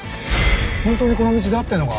本当にこの道で合ってるのか？